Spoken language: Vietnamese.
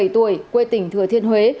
hai mươi bảy tuổi quê tỉnh thừa thiên huế